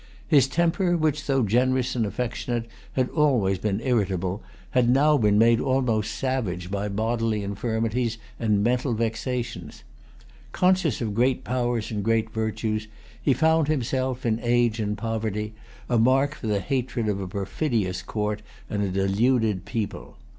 His temper, which, though generous and affectionate, had always been irritable, had now been made almost savage by bodily infirmities and mental vexations. Conscious of great powers and great virtues, he found himself, in age and poverty, a mark for the hatred of a perfidious court and a deluded people.